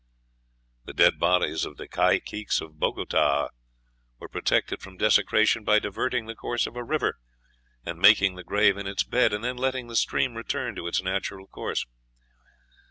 The dead bodies of the caciques of Bogota were protected from desecration by diverting the course of a river and making the grave in its bed, and then letting the stream return to its natural course.